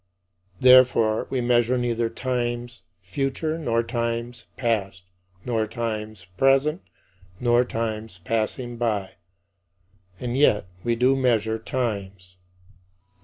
Therefore, we measure neither times future nor times past, nor times present, nor times passing by; and yet we do measure times.